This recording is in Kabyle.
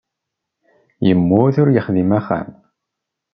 Yemmut ur yexdim axxam.